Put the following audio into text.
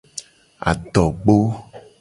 Adogbo.